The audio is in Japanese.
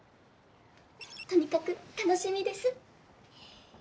とにかく楽しみです。